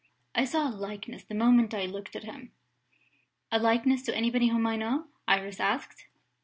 I saw a likeness, the moment I looked at him." "A likeness to anybody whom I know?" Iris asked.